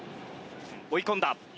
追い込んだ。